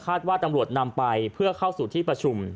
ว่าตำรวจนำไปเพื่อเข้าสู่ที่ประชุม